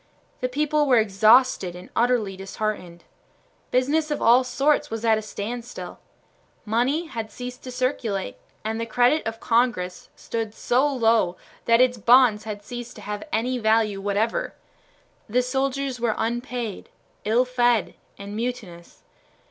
The people were exhausted and utterly disheartened. Business of all sorts was at a standstill. Money had ceased to circulate, and the credit of Congress stood so low that its bonds had ceased to have any value whatever. The soldiers were unpaid, ill fed, and mutinous.